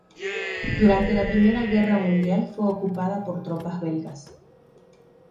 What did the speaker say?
Durante la Primera Guerra Mundial fue ocupada por tropas belgas.